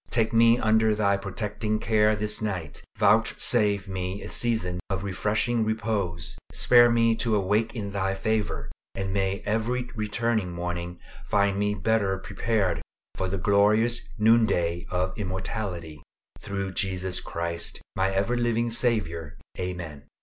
Take me under Thy protecting care this night; vouchsafe me a season of refreshing repose; spare me to awake in Thy favor; and may every returning morning find me better prepared for the glorious noon day of immortality; through Jesus Christ, my ever living Saviour. Amen.